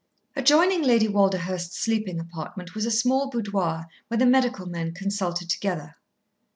Adjoining Lady Walderhurst's sleeping apartment was a small boudoir where the medical men consulted together.